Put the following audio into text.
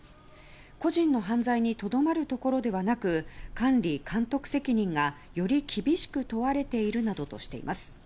個人の犯罪にとどまるところではなく管理・監督責任が、より厳しく問われているなどとしています。